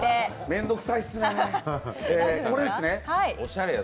面倒くさいですねぇ。